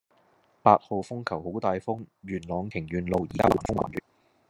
八號風球好大風，元朗瓊園路依家橫風橫雨